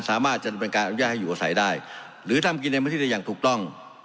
สามารถจะดำเนินการอนุญาตให้อยู่อาศัยได้หรือทำกินในพื้นที่ได้อย่างถูกต้อง